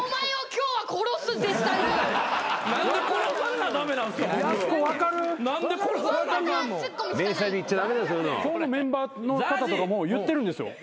今日のメンバーのこととかも言ってるんですよ。